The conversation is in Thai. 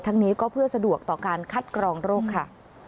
นี้ก็เพื่อสะดวกต่อการคัดกรองโรคค่ะ